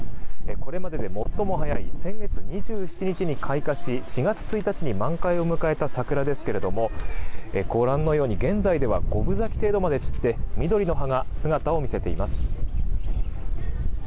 これまでで最も早い先月２７日に開花し４月１日に満開を迎えた桜ですけどもご覧のように現在は五分咲き程度まで散って緑の葉が姿を見せています。